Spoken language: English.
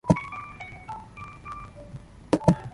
It is south of the Russian capital and largest city Moscow.